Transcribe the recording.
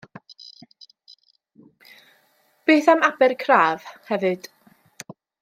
Beth am Abercraf, hefyd?